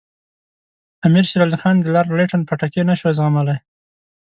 امیر شېر علي خان د لارډ لیټن پټکې نه شو زغملای.